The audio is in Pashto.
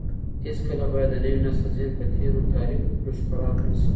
هيڅکله بايد د نوي نسل ذهن په تېرو تاريکو پېښو خراب نه سي.